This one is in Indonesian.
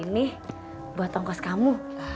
ini buat tongkos kamu